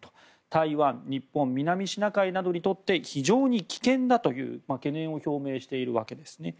台湾、日本南シナ海などにとって非常に危険だという懸念を表明しているわけですね。